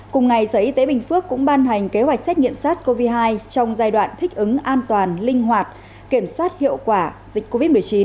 cùng ngày sở y tế bình phước cũng ban hành kế hoạch xét nghiệm sars cov hai trong giai đoạn thích ứng an toàn linh hoạt kiểm soát hiệu quả dịch covid một mươi chín